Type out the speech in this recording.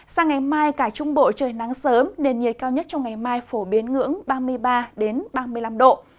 sang ngày mai cả trung bộ trời nắng sớm nền nhiệt cao nhất trong ngày mai phổ biến ngưỡng ba mươi ba ba mươi năm độ